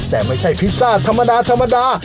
แต่ไม่ใช่พิซซ่าธรรมดา